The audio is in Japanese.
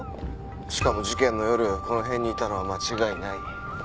しかも事件の夜この辺にいたのは間違いない。